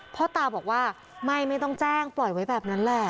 พ่อตาบอกว่าไม่ไม่ต้องแจ้งปล่อยไว้แบบนั้นแหละ